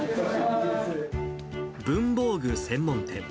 文房具専門店。